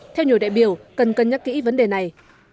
theo nhiều đại biểu cần cân nhắc kỹ vấn đề này